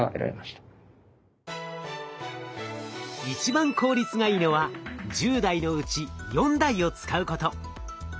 一番効率がいいのは１０台のうち４台を使うこと。